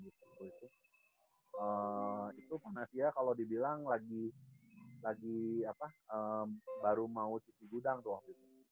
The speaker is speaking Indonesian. eee itu panasya kalau dibilang lagi lagi apa baru mau cuci gudang tuh waktu itu